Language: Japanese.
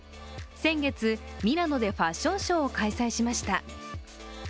先月、ミラノでファッションショーを開催しました。